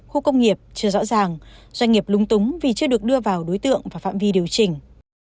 khu công nghiệp chưa rõ ràng doanh nghiệp lung túng vì chưa được đưa vào đối tượng và phạm vi điều chỉnh